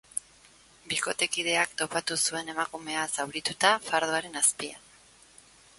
Bikotekideak topatu zuen emakumea, zaurituta, fardoaren azpian.